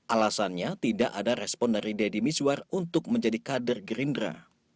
alasannya tidak ada respon dari deddy mizwar untuk menjadi kader gerindra